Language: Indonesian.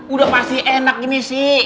udah pasti enak gini sih